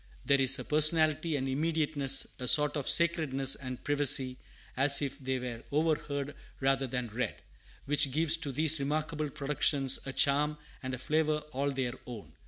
There is a personality and immediateness, a sort of sacredness and privacy, as if they were overheard rather than read, which gives to these remarkable productions a charm and a flavor all their own.